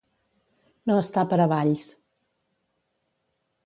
No estar per a balls.